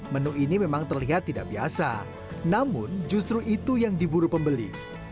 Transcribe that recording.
menu ini memang terlihat tidak biasa namun justru itu yang diburu pembeli